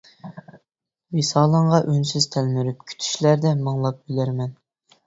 ۋىسالىڭغا ئۈنسىز تەلمۈرۈپ، كۈتۈشلەردە مىڭلاپ ئۆلەرمەن.